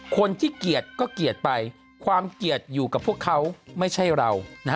คนที่เกลียดก็เกลียดไปความเกลียดอยู่กับพวกเขาไม่ใช่เรา